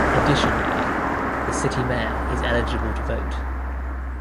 Additionally the city mayor is eligible to vote.